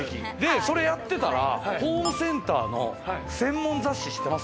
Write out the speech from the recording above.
それやってたら、ホームセンターの専門雑誌、知ってます？